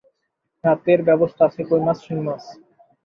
রাতের ব্যবস্থা আছে কইমাছ, শিংমাছ।